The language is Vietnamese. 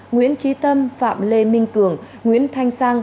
nguyễn trí tâm phạm lê minh cường nguyễn thanh sang